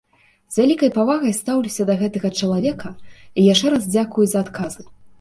З вялікай павагай стаўлюся да гэтага чалавека і яшчэ раз дзякую за адказы.